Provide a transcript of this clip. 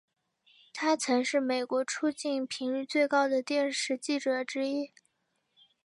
他曾是美国出境频率最高的电视记者之一。